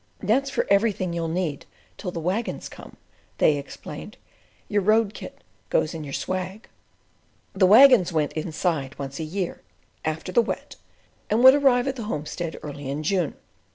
"That's for everything you'll need till the waggons come," they explained; "your road kit goes in your swag." The waggons went "inside" once a year—"after the Wet," and would arrive at the homestead early in June.